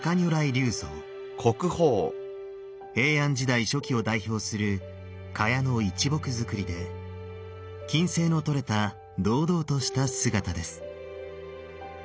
平安時代初期を代表する榧の一木造りで均斉の取れた堂々とした姿です。